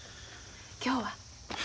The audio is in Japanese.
今日は？